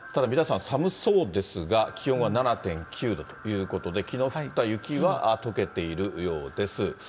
ただ皆さん、寒そうですが、気温は７．９度ということで、きのう降った雪はとけているようです。